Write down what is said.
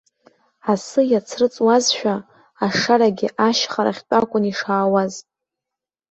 Асы иацрыҵуазшәа, ашарагьы ашьхарахьтә акәын ишаауаз.